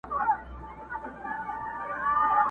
نور به یې شنې پاڼي سمسوري نه وي٫